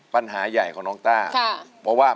ปัญหาใหญ่ของน้องต้า